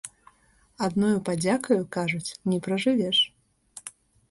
Адною падзякаю, кажуць, не пражывеш.